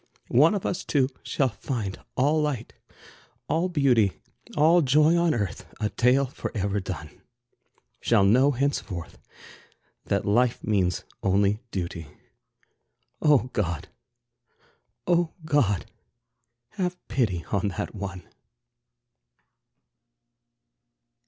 One of us two shall find all light, all beauty, All joy on earth, a tale forever done; Shall know henceforth that life means only duty. Oh, God! Oh, God! have pity on that one.